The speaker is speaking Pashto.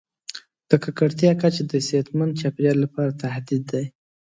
د ککړتیا کچه د صحتمند چاپیریال لپاره تهدید دی.